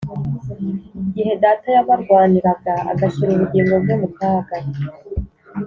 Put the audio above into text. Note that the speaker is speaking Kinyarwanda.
igihe data yabarwaniraga agashyira ubugingo bwe mukaga